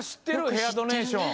ヘアドネーション。